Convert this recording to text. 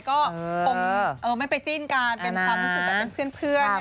ก็คงไม่ไปจิ้นกันเป็นความรู้สึกแบบเป็นเพื่อน